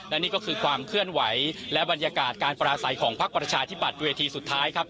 และนี่ก็คือความเคลื่อนไหวและบรรยากาศการปราศัยของพักประชาธิบัตย์เวทีสุดท้ายครับ